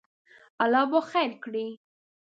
الله به خیر کړی